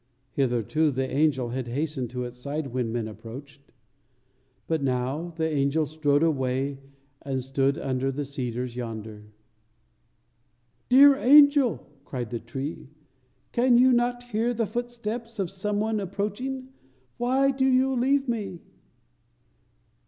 Hitherto the angel had hastened to its side when men approached; but now the angel strode away and stood under the cedars yonder. "Dear angel," cried the tree, "can you not hear the footsteps of some one approaching? Why do you leave me?"